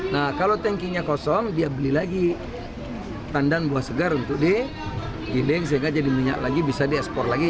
nah kalau tankinya kosong dia beli lagi tandan buah segar untuk digiling sehingga jadi minyak lagi bisa diekspor lagi